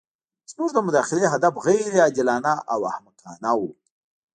زموږ د مداخلې هدف غیر عادلانه او احمقانه وو.